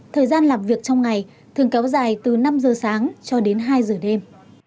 thời gian làm việc trong ngày thường kéo dài từ năm giờ sáng cho đến hai giờ đêm